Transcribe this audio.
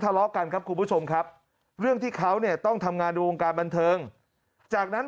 ทะเลาะกันครับคุณผู้ชมครับเรื่องที่เขาเนี่ยต้องทำงานในวงการบันเทิงจากนั้น